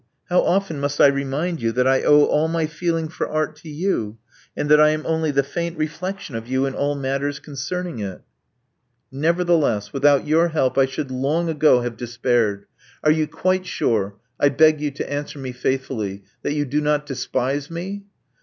How often must I remind you that I owe all my feeling for art to you, and that I am only the faint reflexion of you in all matters concerning it?" Nevertheless without your help I should long ago Love Among the Artists 27 have despaired. Are you quite sure — I beg you to answer me faithfully — that you do not despise me?"